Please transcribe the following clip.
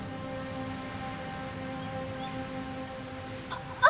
あっ！